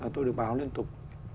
tôi được báo liên tục